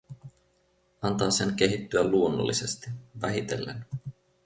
Antaa sen kehittyä luonnollisesti, vähitellen.